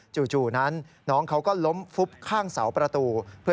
จู่นั้นน้องเขาก็ล้มฟุบข้างเสาประตู